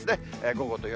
午後と夜。